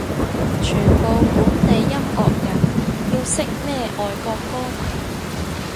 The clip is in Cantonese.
全部本地音樂人要識咩外國歌迷